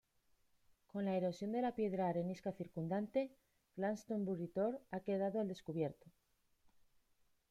Con la erosión de la piedra arenisca circundante, Glastonbury Tor ha quedado al descubierto.